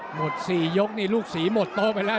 หมด๔ยกนี่ลูกศรีหมดโต๊ะไปแล้ว